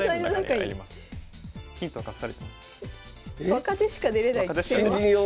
若手しか出れない棋戦は？